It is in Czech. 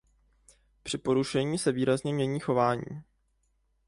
Při porušení se výrazně mění chování.